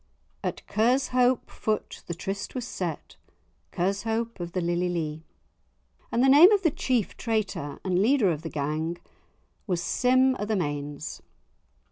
"At Kershope foot the tryst was set, Kershope of the lily lee," and the name of the chief traitor and leader of the gang was Sim o' the Mains.